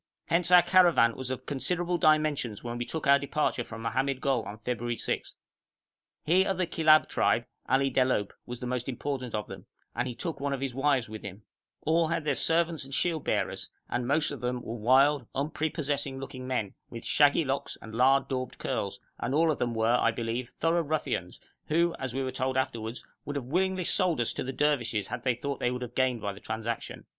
Hence our caravan was of considerable dimensions when we took our departure from Mohammed Gol on February 6. He of the Kilab tribe, Ali Debalohp, was the most important of them, and he took one of his wives with him; all had their servants and shield bearers, and most of them were wild, unprepossessing looking men, with shaggy locks and lard daubed curls, and all of them were, I believe, thorough ruffians, who, as we were told afterwards, would willingly have sold us to the Dervishes had they thought they would have gained by the transaction.